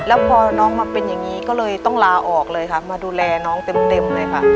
แล้วพอน้องมาเป็นอย่างนี้ก็เลยต้องลาออกเลยค่ะมาดูแลน้องเต็มเลยค่ะ